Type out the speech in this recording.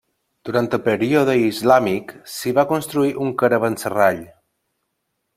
Durant el període islàmic, s'hi va construir un caravanserrall.